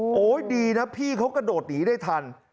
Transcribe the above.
โอ้โหดีนะพี่เขากระโดดหนีได้ทัน